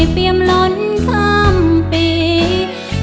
เปรียบหล่นคำเป็น